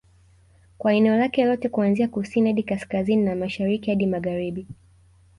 Kwa eneo lake lote kuanzia kusini hadi kaskazini na Mashariki hadi Magharibi